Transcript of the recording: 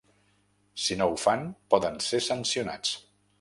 Si no ho fan, poden ser sancionats.